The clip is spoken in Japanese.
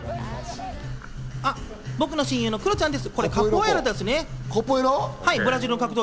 僕の親友のクロちゃんです。